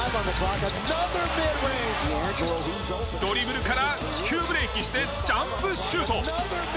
ドリブルから急ブレーキしてジャンプシュート！